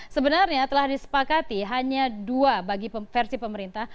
sebenarnya telah disepakati hanya dua bagi versi pemerintah